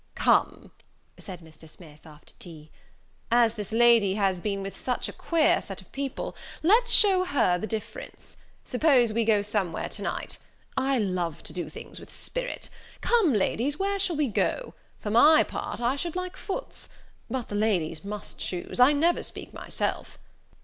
"Come," said Mr. Smith, after tea, "as this lady has been with such a queer set of people, let's show her the difference; suppose we go somewhere to night! I love to do things with spirit! Come, ladies, where shall we go? For my part I should like Foote's but the ladies must choose; I never speak myself."